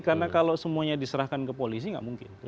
karena kalau semuanya diserahkan ke polisi nggak mungkin